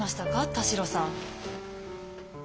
田代さん。